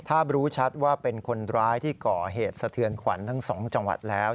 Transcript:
ถ้ารู้ชัดว่าเป็นคนร้ายที่ก่อเหตุสะเทือนขวัญทั้ง๒จังหวัดแล้ว